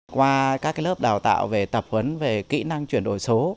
qua các lớp đào tạo về tập huấn về kỹ năng chuyển đổi số